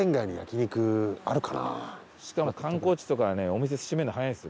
しかも観光地とかはねお店閉めるの早いんですよ。